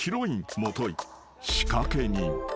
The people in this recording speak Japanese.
［もとい仕掛け人］